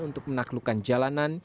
untuk menaklukkan jalanan